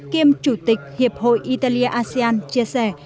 kiêm chủ tịch hiệp hội italia asean chia sẻ